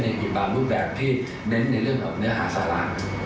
อีกบางรูปแบบที่เน้นในเรื่องของเนื้อหาสาระ